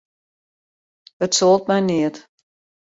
It soalt my neat.